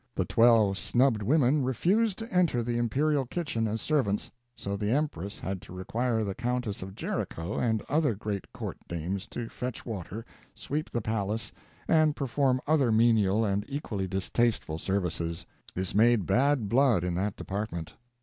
The twelve snubbed women refused to enter the imperial kitchen as servants; so the empress had to require the Countess of Jericho and other great court dames to fetch water, sweep the palace, and perform other menial and equally distasteful services. This made bad blood in that department.